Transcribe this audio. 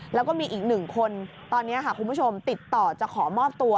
แล้วก็มีอีกหนึ่งคนตอนนี้ค่ะคุณผู้ชมติดต่อจะขอมอบตัว